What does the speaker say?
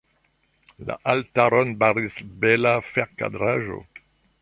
La altaron baris bela ferkradaĵo.